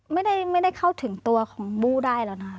ไม่ได้เข้าถึงตัวของบูได้หรอกค่ะ